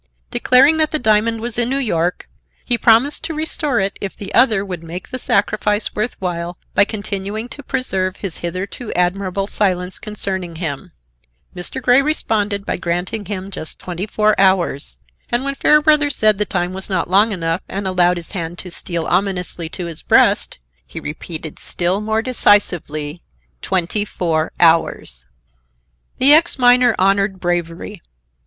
Declaring that the diamond was in New York, he promised to restore it if the other would make the sacrifice worth while by continuing to preserve his hitherto admirable silence concerning him: Mr. Grey responded by granting him just twenty four hours; and when Fairbrother said the time was not long enough and allowed his hand to steal ominously to his breast, he repeated still more decisively, "Twenty four hours." The ex miner honored bravery.